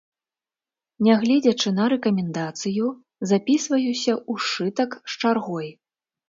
Нягледзячы на рэкамендацыю, запісваюся ў сшытак з чаргой.